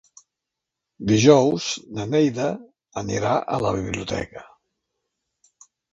Dijous na Neida anirà a la biblioteca.